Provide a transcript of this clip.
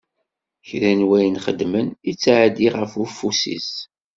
Kra n wayen xeddmen, ittɛeddi ɣef ufus-is.